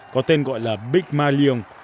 có tên gọi là big malion